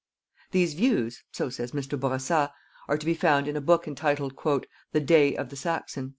These views so says Mr. Bourassa are to be found in a book entitled: "The Day of the Saxon."